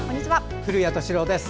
古谷敏郎です。